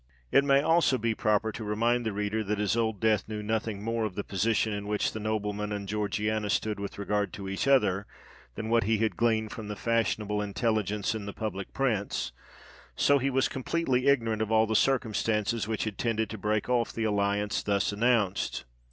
It may also be proper to remind the reader that as Old Death knew nothing more of the position in which the nobleman and Georgiana stood with regard to each other, than what he had gleaned from the fashionable intelligence in the public prints,—so he was completely ignorant of all the circumstances which had tended to break off the alliance thus announced.